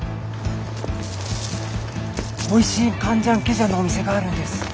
おいしいカンジャンケジャンのお店があるんです。